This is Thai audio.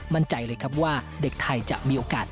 มั่นใจเลยครับว่าเด็กไทยจะมีโอกาส